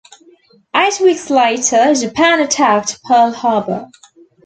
Eight weeks later, Japan attacked Pearl Harbor.